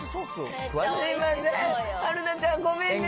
すみません、春奈ちゃん、ごめんね。